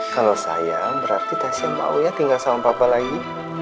kalau saya berarti pasien mau ya tinggal sama papa lagi